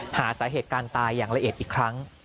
หาสาเหตุการณ์ตายอย่างละเอียดอีกครั้ง